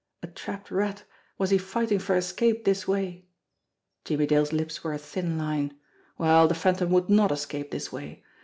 A trapped rat, was he fighting for escape this way? Jimmie Dale's lips were a thin line. Well, the Phantom would not escape this way